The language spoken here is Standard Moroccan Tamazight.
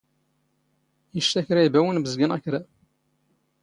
ⵉⵜⵛⴰ ⴽⵔⴰ ⵉⴱⴰⵡⵏ, ⴱⵣⴳⵏ ⴳ ⴽⵔⴰ